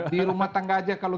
di rumah tangga aja kalau